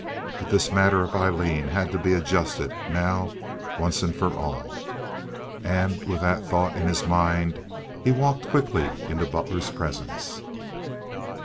But this matter of Aileen had to be adjusted now once and for all. And with that thought in his mind he walked quickly into Butler's presence.